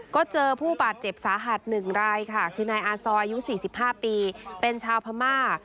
ก็เจอผู้บาดเจ็บสาหัส๑รายค่ะคือนายอาซอยอายุ๔๕ปีเป็นชาวพม่า